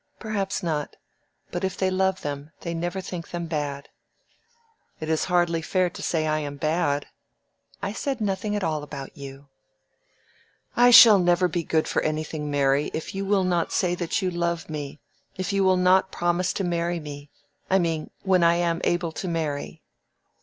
"Perhaps not. But if they love them, they never think them bad." "It is hardly fair to say I am bad." "I said nothing at all about you." "I never shall be good for anything, Mary, if you will not say that you love me—if you will not promise to marry me—I mean, when I am able to marry."